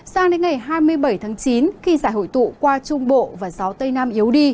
sang đến ngày hai mươi bảy tháng chín khi giải hội tụ qua trung bộ và gió tây nam yếu đi